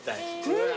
うわ。